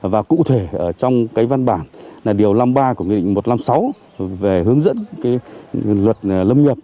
và cụ thể trong cái văn bản là điều năm mươi ba của nghị định một trăm năm mươi sáu về hướng dẫn luật lâm nhập